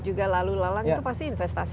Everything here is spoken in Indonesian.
juga lalu lalang itu pasti investasi